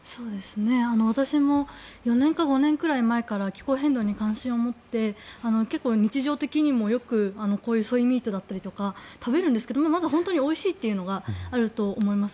私も４年か５年くらい前から気候変動に関心を持って日常的にも、よくソイミートだったりとか食べるんですけど本当においしいというのがあると思います。